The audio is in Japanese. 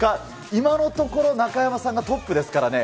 今のところ、中山さんがトップですからね。